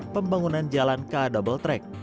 pembangunan jalan ka double track